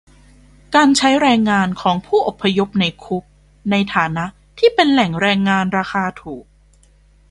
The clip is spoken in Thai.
การใช้แรงงานของผู้อพยพในคุกในฐานะที่เป็นแหล่งแรงงานราคาถูก